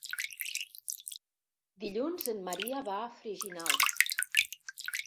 Dilluns en Maria va a Freginals.